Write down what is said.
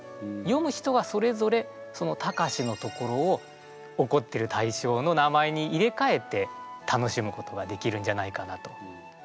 詠む人がそれぞれそのタカシのところをおこってる対象の名前に入れ替えて楽しむことができるんじゃないかなと。